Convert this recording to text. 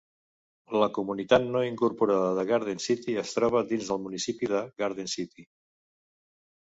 La comunitat no incorporada de Garden City es troba dins el municipi de Garden City.